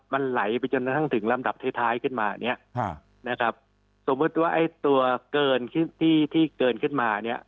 มันไหลไปจนถึงลำดับท้ายขึ้นมาสมมุติว่าตัวเกินที่เกินขึ้นมา